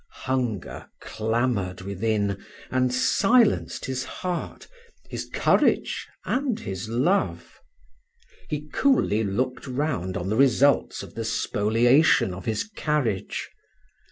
Hunger clamored within and silenced his heart, his courage, and his love. He coolly looked round on the results of the spoliation of his carriage.